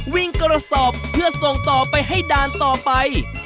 วิ่งกระสอบเพื่อส่งต่อไปให้ด่านต่อไป